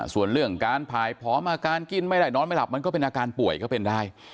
ส่วนเรื่องการผ่ายผอมอาการกินไม่ได้นอนไม่หลับมันก็เป็นอาการป่วยก็เป็นได้